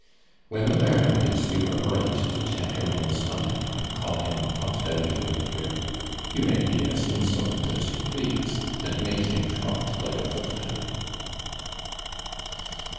"When the Baron gives you a right to tap him on the stomach, and call him a pot bellied old rip, you may be as insolent as you please, and make him trot like a footman."